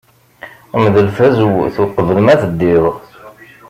Mdel tazewwut uqbel ma teddid.